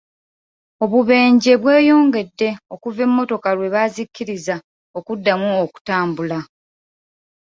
Obubenje bweyongedde okuva emmotoka lwe baazikkiriza okuddamu okutambula.